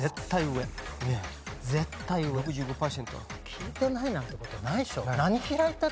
聴いてないなんて事ないでしょ。